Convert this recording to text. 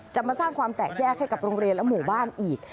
จะมาสร้างความแตกแยกให้กับโรงเรียนและหมู่บ้านอีก